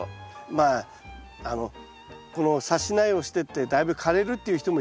まあこのさし苗をしてってだいぶ枯れるっていう人もいるんですね